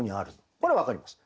これ分かります。